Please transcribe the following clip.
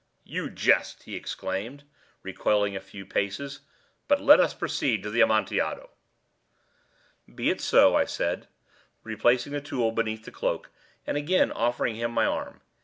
"You jest," he exclaimed, recoiling a few paces. "But let us proceed to the Amontillado." "Be it so," I said, replacing the tool beneath the cloak, and again offering him my arm.